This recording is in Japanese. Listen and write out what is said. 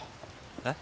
えっ？